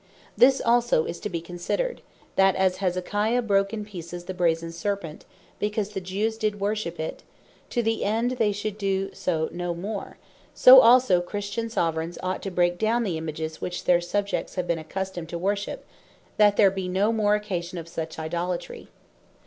This also is to bee considered, that as Hezekiah brake in pieces the Brazen Serpent, because the Jews did worship it, to the end they should doe so no more; so also Christian Soveraigns ought to break down the Images which their Subjects have been accustomed to worship; that there be no more occasion of such Idolatry.